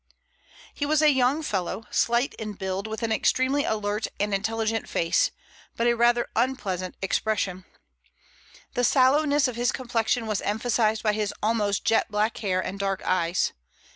He was a young fellow, slight in build, with an extremely alert and intelligent face, but a rather unpleasant expression. The sallowness of his complexion was emphasized by his almost jet black hair and dark eyes.